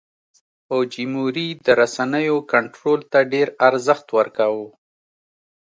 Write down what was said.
فوجیموري د رسنیو کنټرول ته ډېر ارزښت ورکاوه.